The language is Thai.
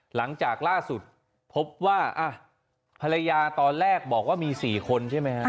หลังจากล่าสุดพบว่าภรรยาตอนแรกบอกว่ามี๔คนใช่ไหมฮะ